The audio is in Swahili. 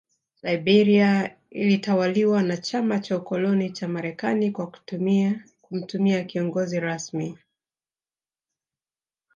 Liberia ilitawaliwa na Chama cha Ukoloni cha Marekani kwa kumtumia kiongozi rasmi